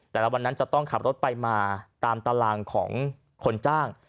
แต่ละวันนั้นจะต้องขับรถไปมาตามตารางของคนจ้าง